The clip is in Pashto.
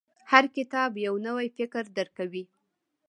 • هر کتاب، یو نوی فکر درکوي.